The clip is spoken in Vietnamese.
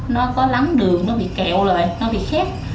nó có lắng đường nó bị kẹo lại nó bị khét